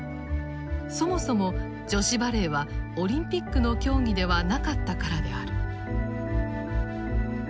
そもそも女子バレーはオリンピックの競技ではなかったからである。